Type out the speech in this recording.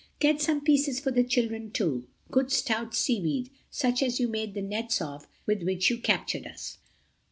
Get some pieces for the children, too. Good stout seaweed, such as you made the nets of with which you captured us."